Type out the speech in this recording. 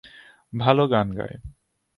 ভালো গান গায়।